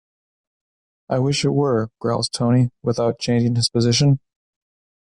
"I wish it were," growls Tony, without changing his position.